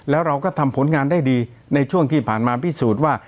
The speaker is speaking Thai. แล้วเราก็ทำผลงานได้ดีในช่วงที่ผ่านมาพิสูจน์ว่า